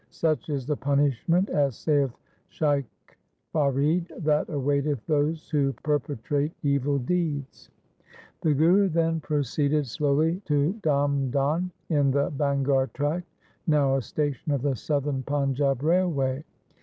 Such is the punishment, as saith Shaikh Farid, that awaiteth those who perpetrate evil deeds. The Guru then proceeded slowly to Dhamdhan in the Bangar tract, now a station of the Southern Panjab Railway.